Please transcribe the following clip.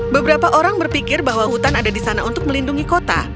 beberapa orang berpikir bahwa hutan ada di sana untuk melindungi kota